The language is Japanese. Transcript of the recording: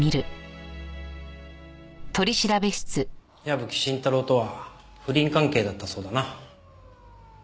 矢吹伸太郎とは不倫関係だったそうだな？